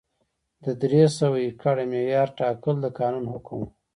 د درې سوه ایکره معیار ټاکل د قانون حکم و.